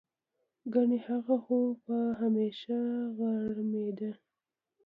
ګنې هغه خو به همېشه غړمبېده.